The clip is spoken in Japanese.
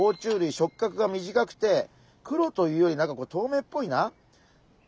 触角が短くて黒というよりなんかとうめいっぽいな。